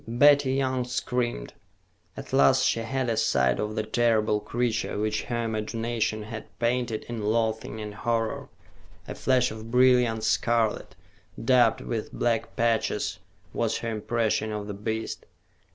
Betty Young screamed. At last she had a sight of the terrible creature which her imagination had painted in loathing and horror. A flash of brilliant scarlet, dabbed with black patches, was her impression of the beast.